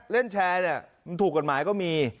เล่นแชร์เนี่ยมันถูกกฎหมายก็มี